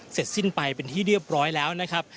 เสร็จสิ้นไปเป็นที่เรียบร้อยแล้วนะครับ